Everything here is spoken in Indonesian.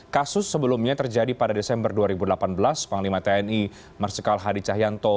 kasus sebelumnya terjadi pada desember dua ribu delapan belas panglima tni marsikal hadi cahyanto